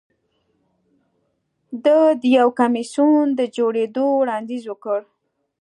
ده د یو کمېسیون د جوړېدو وړاندیز وکړ